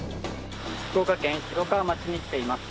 福岡県広川町に来ています。